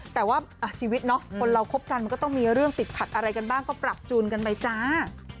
แต่ว่าชีวิตเนาะคนเราคบกันมันก็ต้องมีเรื่องติดขัดอะไรกันบ้างก็ปรับจูนกันไปจ้า